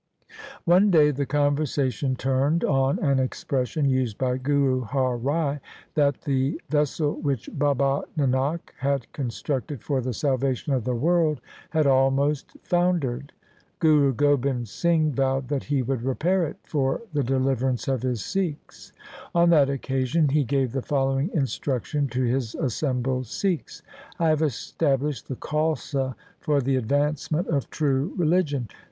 One day the conversation turned on an expression used by Guru Har Rai, that the vessel which Baba Nanak had constructed for the salvation of the world had almost foundered. Guru Gobind Singh vowed that he would repair it for the deliver ance of his Sikhs. On that occasion he gave the following instruction to his assembled Sikhs —' I have established the Khalsa for the advancement 152 THE SIKH RELIGION of true religion.